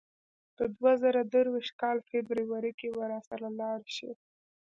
د دوه زره درویشت کال فبرورۍ کې به راسره لاړ شې.